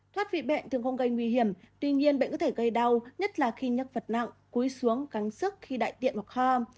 thoát vị bệnh thường không gây nguy hiểm tuy nhiên bệnh có thể gây đau nhất là khi nhắc vật nặng cúi xuống cắn sức khi đại tiện hoặc ho